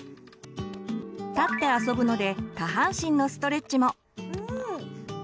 立って遊ぶので下半身のストレッチも。